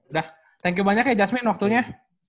udah thank you banyak ya jasmine waktunya